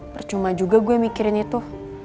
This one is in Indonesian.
percuma juga gue mikirin itu